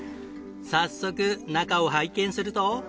早速中を拝見すると。